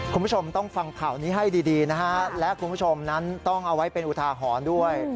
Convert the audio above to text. คุณผู้ชมต้องฟังข่าวนี้ให้ดีนะฮะและคุณผู้ชมนั้นต้องเอาไว้เป็นอุทาหรณ์ด้วย